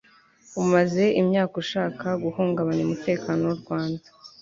umaze imyaka ushaka guhungabanya umutekano w'u rwanda